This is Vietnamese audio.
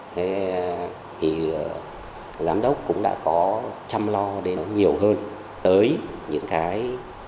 thì giám đốc cũng đã có chăm lo đến nhiều hơn tới những cái